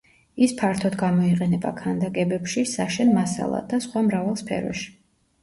ის ფართოდ გამოიყენება ქანდაკებებში, საშენ მასალად, და სხვა მრავალ სფეროში.